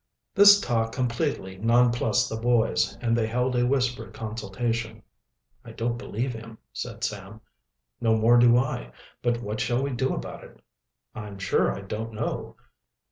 This talk completely nonplused the boys, and they held a whispered consultation. "I don't believe him," said Sam. "No more do I. But what shall we do about it?" "I'm sure I don't know."